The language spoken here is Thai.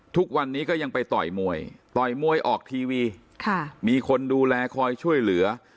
ทุกวันนี้ก็ยังไปต่อยมวยต่อยมวยออกทีวีมีคนดูแลคอยช่วยเหลือ